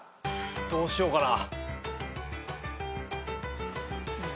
どうしようかな。